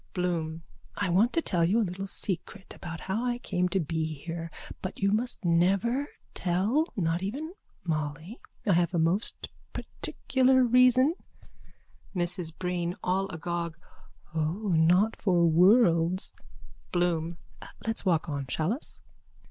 BLOOM: I want to tell you a little secret about how I came to be here. But you must never tell. Not even Molly. I have a most particular reason. MRS BREEN: (All agog.) O, not for worlds. BLOOM: Let's walk on. Shall us?